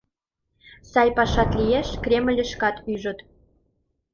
Сай пашат лиеш — Кремльышкет ӱжыт...